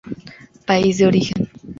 País de origen.